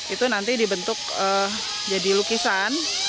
itu nanti dibentuk jadi lukisan